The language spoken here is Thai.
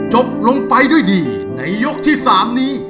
จบลงไปด้วยดีในยกที่๓นี้